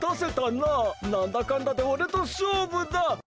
なんだかんだでおれとしょうぶだ！